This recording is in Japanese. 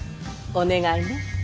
お願いね。